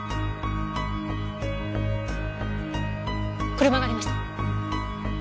車がありました。